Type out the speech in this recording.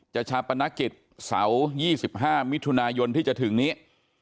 จะชับปนักกิจเสา๒๕มิถุนายนที่จะถึงนี้